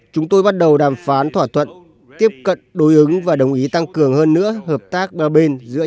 chúng tôi bắt đầu đàm phán thỏa thuận tiếp cận đối ứng và đồng ý tăng cường hơn nữa hợp tác ba bên giữa